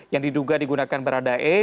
yang diduga digunakan berada e